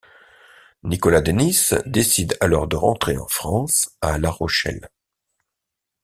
Nicolas Denys décide alors de rentrer en France à La Rochelle.